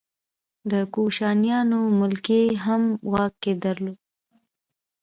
د کوشانیانو ملکې هم واک درلود